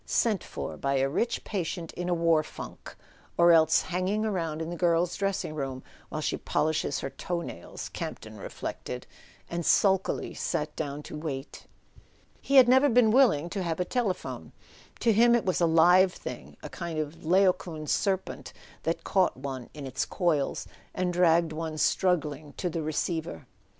"Sent for by a rich patient in a war funk; or else hanging about in the girl's dressing room while she polishes her toe nails," Campton reflected; and sulkily sat down to wait. He had never been willing to have a telephone. To him it was a live thing, a kind of Laocoon serpent that caught one in its coils and dragged one struggling to the receiver.